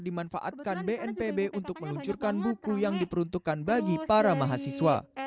dimanfaatkan bnpb untuk meluncurkan buku yang diperuntukkan bagi para mahasiswa